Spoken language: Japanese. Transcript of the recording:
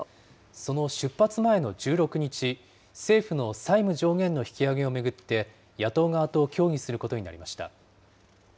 その出発前の１６日、政府の債務上限の引き上げを巡って、野党側と協議することになり